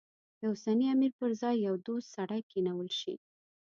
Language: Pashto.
د اوسني امیر پر ځای یو دوست سړی کېنول شي.